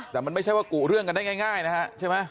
แต่มันไม่ใช่ว่ากุเรื่องกันได้ง่ายนะฮะใช่ไหม